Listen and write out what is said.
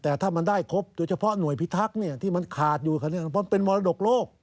แต่ถ้ามันได้ครบโดยเฉพาะหน่วยพิธรรมเนี่ยที่ขาดอยู่คะเนี่ยต้องเป็นมรดกโลก